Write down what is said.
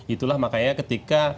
itulah makanya ketika